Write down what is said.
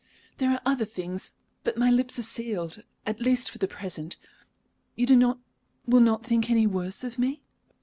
"There are other things. But my lips are sealed at least for the present. You do not will not think any worse of me?"